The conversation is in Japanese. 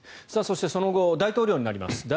そして、その後大統領になります。